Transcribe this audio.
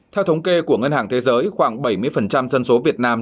theo thống kê của ngân hàng thế giới khoảng bảy mươi dân số việt nam